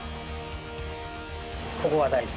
ここが大事。